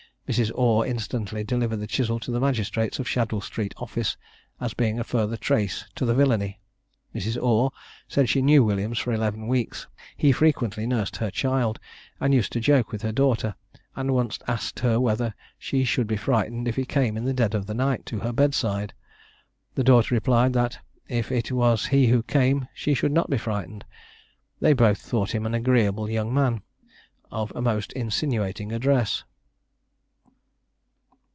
Mrs. Orr instantly delivered the chisel to the magistrates of Shadwell street office, as being a further trace to the villany. Mrs. Orr said she knew Williams for eleven weeks; he frequently nursed her child, and used to joke with her daughter, and once asked her whether she should be frightened if he came in the dead of the night to her bedside? The daughter replied, that if it was he who came, she should not be frightened. They both thought him an agreeable young man, of a most insinuating address.